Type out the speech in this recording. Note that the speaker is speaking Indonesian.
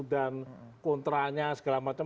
dan kontranya segala macam